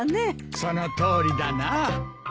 そのとおりだな。